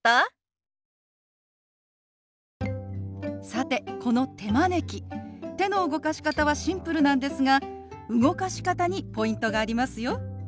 さてこの手招き手の動かし方はシンプルなんですが動かし方にポイントがありますよ。